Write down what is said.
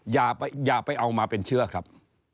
อย่าไปเอามาเป็นเชื้อครับ